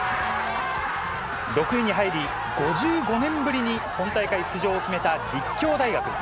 ６位に入り、５５年ぶりに本大会出場を決めた立教大学。